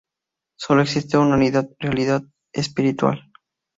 Solo existe una única realidad espiritual.